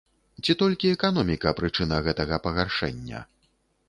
Ці толькі эканоміка прычына гэтага пагаршэння?